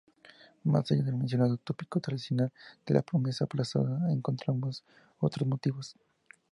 Más allá del mencionado tópico tradicional de la promesa aplazada, encontramos otros motivos.